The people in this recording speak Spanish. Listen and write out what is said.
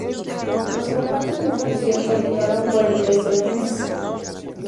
Los combates en la región continuaron por el resto del mes.